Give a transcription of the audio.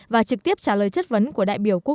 và trực tiếp trả lời chất vấn của đại biểu quốc hội